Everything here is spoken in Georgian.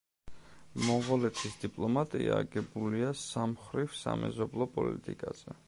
მონღოლეთის დიპლომატია აგებულია სამმხრივ სამეზობლო პოლიტიკაზე.